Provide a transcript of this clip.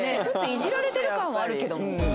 ちょっとイジられてる感はあるけども。